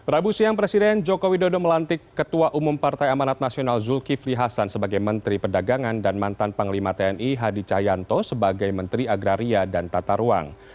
rabu siang presiden joko widodo melantik ketua umum partai amanat nasional zulkifli hasan sebagai menteri pedagangan dan mantan panglima tni hadi cahyanto sebagai menteri agraria dan tata ruang